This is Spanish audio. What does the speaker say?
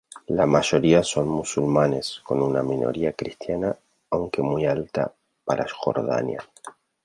La mayoría son musulmanes, con una minoría cristiana, aunque muy alta para Jordania.